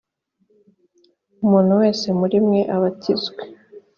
umuntu wese muri mwe abatizwe